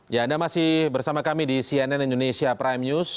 ya anda masih bersama kami di cnn indonesia prime news